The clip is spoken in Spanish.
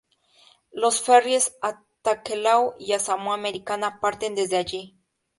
Los ferries a Tokelau y a Samoa Americana parten desde allí.